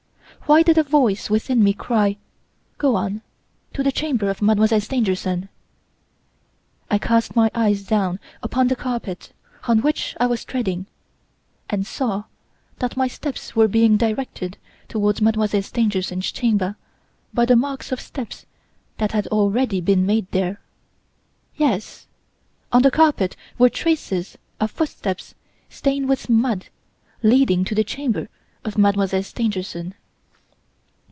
Why did a voice within me cry: 'Go on, to the chamber of Mademoiselle Stangerson!' I cast my eyes down upon the carpet on which I was treading and saw that my steps were being directed towards Mademoiselle Stangerson's chamber by the marks of steps that had already been made there. Yes, on the carpet were traces of footsteps stained with mud leading to the chamber of Mademoiselle Stangerson.